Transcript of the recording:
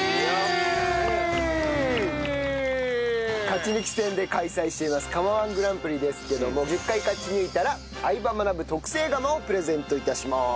勝ち抜き戦で開催しています釜−１グランプリですけども１０回勝ち抜いたら『相葉マナブ』特製釜をプレゼント致します。